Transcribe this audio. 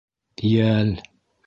Йәл.